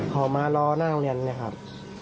เขามารอหน้าโรงเรียนเลยครับ